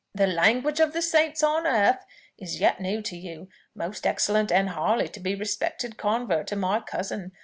"The language of the saints on earth is yet new to you, most excellent and highly to be respected convert of my cousin!